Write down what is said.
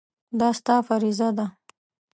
دا ستا فریضه ده.